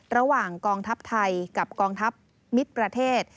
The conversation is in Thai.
ระหว่างกองทัพไทยกับกองทัพมิตรประเทศ